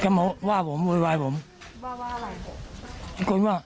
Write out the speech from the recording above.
เขามาว่าผมว่ามาแต่บอกว่า